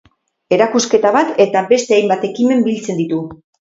Erakusketa bat eta beste hainbat ekimen biltzen ditu.